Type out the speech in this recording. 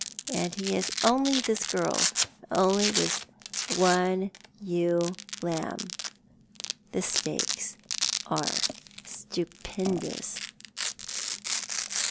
And he has only this girl— only this one ewe lamb. The stakes are stupendous."